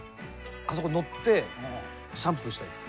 あそこに乗ってシャンプーしたいです。